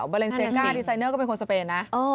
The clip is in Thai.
นั่นแหละสิบาเซโลน่าดีไซเนอร์ก็เป็นคนสเปนนะ